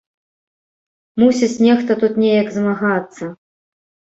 Мусіць нехта тут неяк змагацца.